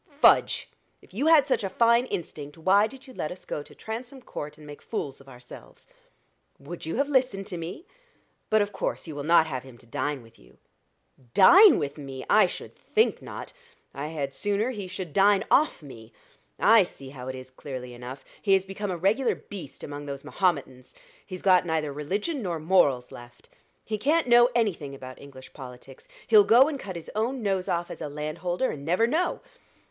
"Fudge! if you had such a fine instinct, why did you let us go to Transome Court and make fools of ourselves?" "Would you have listened to me? But of course you will not have him to dine with you?" "Dine with me? I should think not. I'd sooner he should dine off me. I see how it is clearly enough. He has become a regular beast among those Mahometans he's got neither religion nor morals left. He can't know any thing about English politics. He'll go and cut his own nose off as a landholder, and never know.